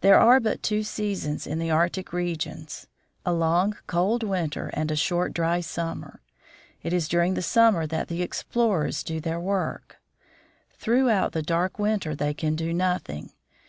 There are but two seasons in the Arctic regions — a INTRODUCTION 5 long, cold winter and a short, dry summer. It is during the summer that the explorers do their work. Through out the dark winter they can do nothing.